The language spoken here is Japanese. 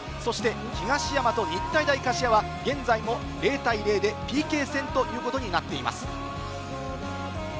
東山と日体大柏は現在も０対０でＰＫ戦ということになっています。